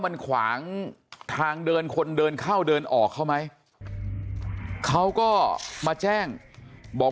มันขวางทางเดินคนเดินเข้าเดินออกเขาไหมเขาก็มาแจ้งบอก